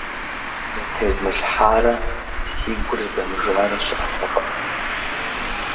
Зытезмылъхьарэ си гур здэмыжарэ щыӀэтэкъым.